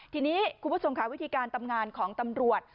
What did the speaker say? ทีนี้คุณผู้ชมค่ะวิธีการตำนานของตำรวจ